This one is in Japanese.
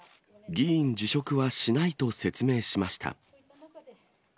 議員辞職はしないと説明しました。